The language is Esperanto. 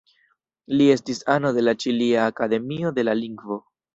Li estis ano de la Ĉilia Akademio de la Lingvo.